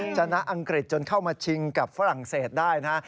ชนะอังกฤษจนเข้ามาชิงกับฝรั่งเศสได้นะฮะ